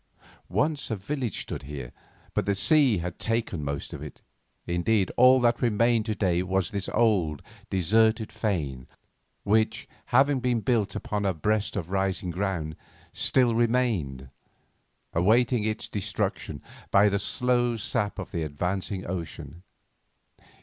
Once a village stood here, but the sea had taken most of it; indeed, all that remained to day was this old, deserted fane, which, having been built upon a breast of rising ground, still remained, awaiting its destruction by the slow sap of the advancing ocean.